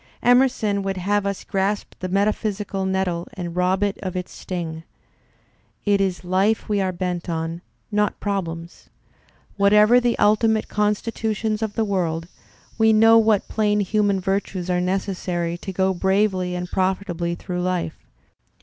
Emerson would have us grasp the metaphysical nettle and rob it of its sting. 4 It is life we are bent on, not problems. Whatever the ulti mate constitution of the world, we know what plain human virtues are necessary to go bravely and profitably through life.